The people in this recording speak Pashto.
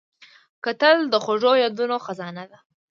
کتل د خوږو یادونو خزانه ده